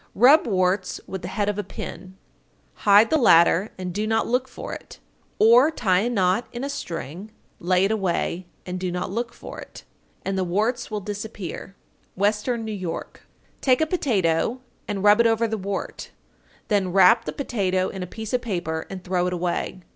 _ 916. Rub warts with the head of a pin; hide the latter and do not look for it, or tie a knot in a string, lay it away, and do not look for it, and the warts will disappear. Western New York. 917. Take a potato and rub it over the wart, then wrap the potato in a piece of paper and throw it away.